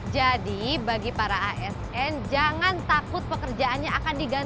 jadi bagi para asn jangan takut pekerjaannya akan digantung